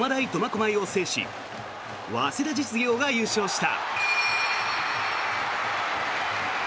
苫小牧を制し早稲田実業が優勝した。